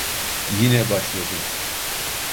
Yine başladın.